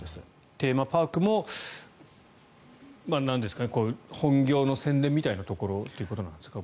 テーマパークも本業の宣伝みたいなことなんですか？